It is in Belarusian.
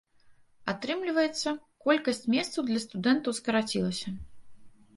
Атрымліваецца, колькасць месцаў для студэнтаў скарацілася.